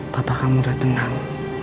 papa kamu udah tenang